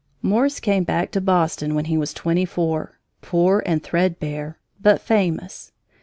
Morse came back to Boston when he was twenty four, poor and threadbare, but famous.